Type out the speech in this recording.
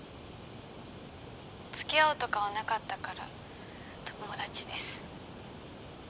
付き合おうとかはなかったから友達です。